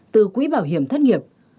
từ quỹ bảo hiểm thất nghiệp